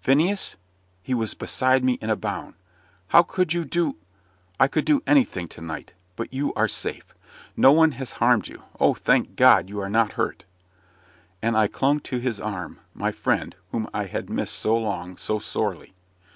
"Phineas?" He was beside me in a bound. "How could you do " "I could do anything to night. But you are safe; no one has harmed you. Oh, thank God, you are not hurt!" And I clung to his arm my friend, whom I had missed so long, so sorely.